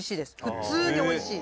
普通においしい。